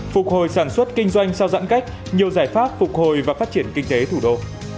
phục hồi sản xuất kinh doanh sau giãn cách nhiều giải pháp phục hồi và phát triển kinh tế thủ đô